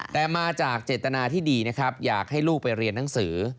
แต่มาจากเจตนาที่ดีนะครับอยากให้ลูกไปเรียนหนังสือ